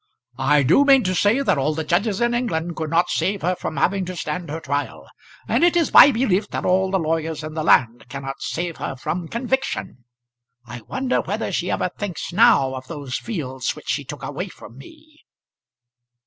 "I do mean to say that all the judges in England could not save her from having to stand her trial, and it is my belief that all the lawyers in the land cannot save her from conviction. I wonder whether she ever thinks now of those fields which she took away from me!"